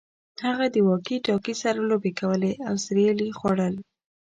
هغه د واکي ټاکي سره لوبې کولې او سیریل یې خوړل